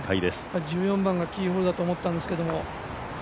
１４番がキーホールだと思ったんですけど。